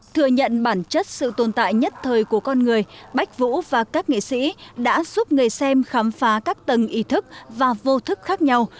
thừa nhận bản chất sự tồn tại nhất thời của con người bách vũ và các nghệ sĩ đã giúp người xem khám phá các tầng ý thức và vô thức khác nhau